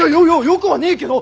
よくはねえけど！